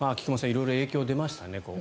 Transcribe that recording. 色々影響が出ましたね。